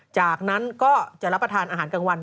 จากนั้นก็จะรับประทานอาหารกลางวัน